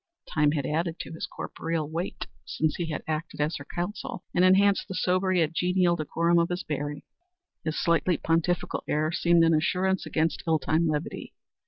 Time had added to his corporeal weight since he had acted as her counsel, and enhanced the sober yet genial decorum of his bearing. His slightly pontifical air seemed an assurance against ill timed levity.